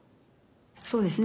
そうですね。